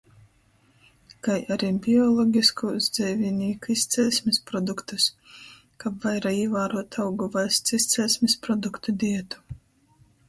Kai ari biologiskūs dzeivinīku izceļsmis produktus. Kab vaira īvāruotu augu vaļsts izceļsmis produktu dietu.